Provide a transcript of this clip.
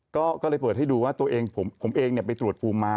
ก็เลยเปิดให้ดูว่าตัวเองผมเองไปตรวจภูมิมา